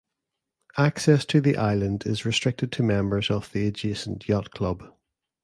Access to the island is restricted to members of the adjacent yacht club.